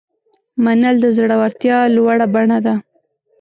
منل د زړورتیا لوړه بڼه ده.